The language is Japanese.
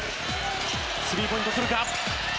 スリーポイント、来るか。